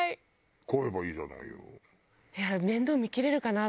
飼えばいいじゃないよ。